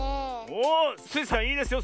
おスイさんいいですよ。